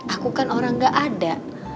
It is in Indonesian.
aku kan orang gak ada